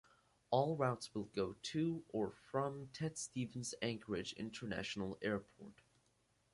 All routes will go to or from Ted Stevens Anchorage International Airport.